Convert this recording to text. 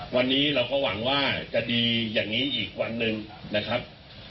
วันนี้เราก็หวังว่าจะดีอย่างนี้อีกวันหนึ่งนะครับ